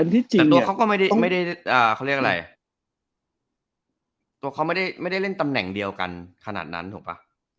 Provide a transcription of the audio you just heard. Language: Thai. แต่ตัวเขาก็ไม่ได้เล่นตำแหน่งเดียวกันขนาดนั้นถูกปะ